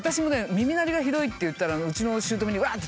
耳鳴りがひどいって言ったらうちのしゅうとめにワ！って